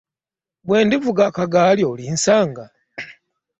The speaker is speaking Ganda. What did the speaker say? Bwe ndivuga akagaali olinsanga?